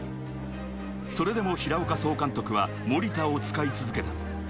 それでも平岡総監督は森田を使い続けた。